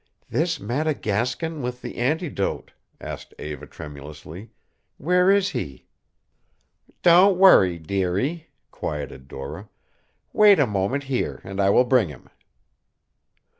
"This Madagascan with the antidote," asked Eva, tremulously, "where is he?" "Don't worry, dearie," quieted Dora. "Wait a moment here and I will bring him."